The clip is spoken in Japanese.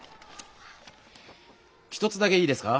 １つだけいいですか？